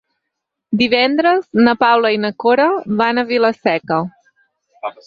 Divendres na Paula i na Cora van a Vila-seca.